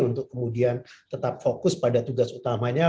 untuk kemudian tetap fokus pada tugas utamanya